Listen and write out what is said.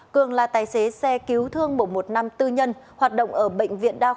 cường là tài xế xe cứu thương bộ một năm tư nhân hoạt động ở bệnh viện đa quang